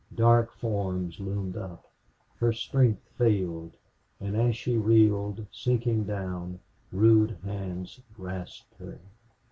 Dark forms loomed up. Her strength failed, and as she reeled, sinking down, rude hands grasped her.